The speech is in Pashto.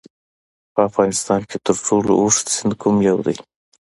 په افغانستان کې تر ټولو اوږد سیند کوم یو دی؟